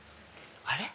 あれ？